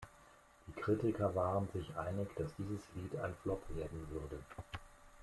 Die Kritiker waren sich einig, dass dieses Lied ein Flop werden würde.